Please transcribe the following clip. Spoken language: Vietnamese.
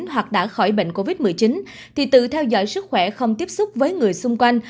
hoặc đã khỏi bệnh covid một mươi chín thì tự theo dõi sức khỏe không tiếp xúc với người xung quanh